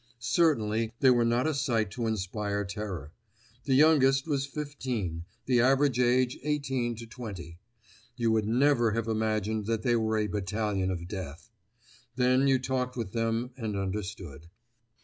Certainly they were not a sight to inspire terror. The youngest was fifteen—the average age eighteen to twenty. You would never have imagined that they were a Battalion of Death. Then you talked with them and understood.